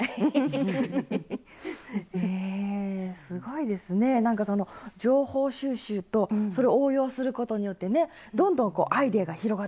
へえすごいですねなんかその情報収集とそれを応用することによってねどんどんこうアイデアが広がっていくんですね。